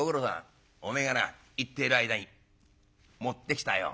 お前がな行っている間に持ってきたよ